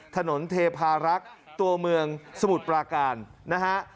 เทพารักษ์ตัวเมืองสมุทรปราการนะฮะ